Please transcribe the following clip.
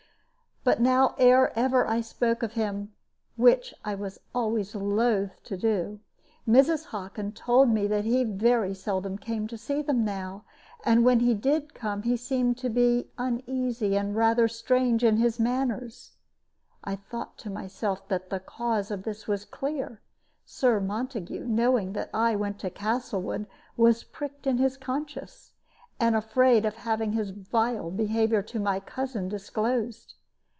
But now ere ever I spoke of him which I was always loath to do Mrs. Hockin told me that he very seldom came to see them now, and when he did come he seemed to be uneasy and rather strange in his manners. I thought to myself that the cause of this was clear. Sir Montague, knowing that I went to Castlewood, was pricked in his conscience, and afraid of having his vile behavior to my cousin disclosed.